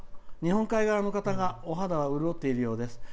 日本海側の方はお肌は潤っているようです。